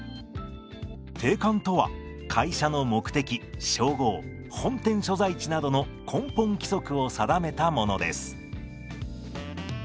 定款とは会社の目的商号本店所在地などの根本規則を定めたものです。